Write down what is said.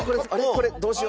「これ、どうしよう？」。